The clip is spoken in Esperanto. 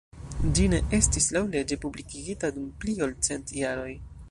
Ĝi ne estis laŭleĝe publikigita dum pli ol cent jaroj.